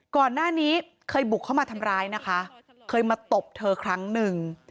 ก่อนหน้านี้เคยบุกเข้ามาทำร้ายนะคะเคยมาตบเธอครั้งหนึ่ง